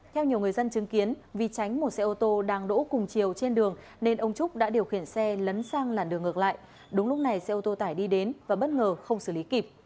theo nhiều người dân chứng kiến vì tránh một xe ô tô đang đỗ cùng chiều trên đường nên ông trúc đã điều khiển xe lấn sang làn đường ngược lại đúng lúc này xe ô tô tải đi đến và bất ngờ không xử lý kịp